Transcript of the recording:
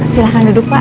silahkan duduk pak